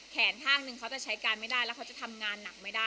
เค้าจะใช้การไม่ได้แล้วเค้าจะทำงานหนักไม่ได้